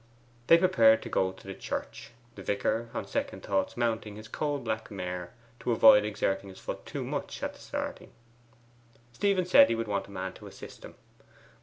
They prepared to go to the church; the vicar, on second thoughts, mounting his coal black mare to avoid exerting his foot too much at starting. Stephen said he should want a man to assist him.